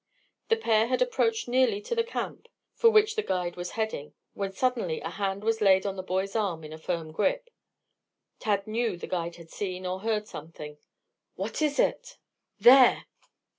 The pair had approached nearly to the camp, for which the guide was heading, when suddenly a hand was laid on the boy's arm in a firm grip. Tad knew the guide had seen or heard something. "What is it?" "There!"